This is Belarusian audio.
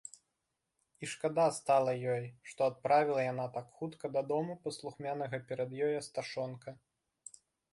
I шкада стала ёй, што адправiла яна так хутка дадому паслухмянага перад ёю Асташонка.